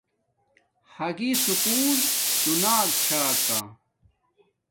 ھأگی سکُول چُو ناک چھا کا